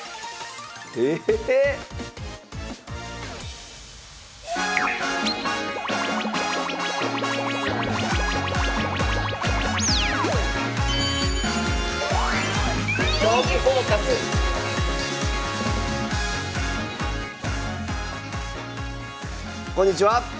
⁉ええ⁉こんにちは。